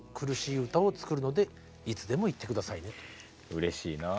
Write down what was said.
うれしいなあ。